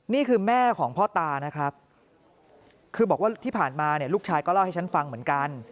นี่คือแม่ของพ่อตานะครับคือบอกว่าที่ผ่านมาเนี่ยลูกชายก็เล่าให้ฉันฟังเหมือนกัน